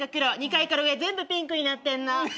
２階から上全部ピンクになってんの。